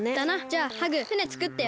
じゃあハグふねつくってよ。